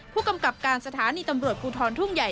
ผู้กำกับการสถานีตำรวจภูทรทุ่งใหญ่